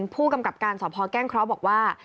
ผู้กำกับการสอบพอแก้งเค้าบอกว่า